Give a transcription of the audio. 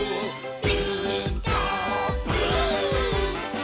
「ピーカーブ！」